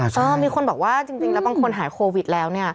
เออมีคนบอกว่าจริงแล้วบางคนหายโควิดแล้ว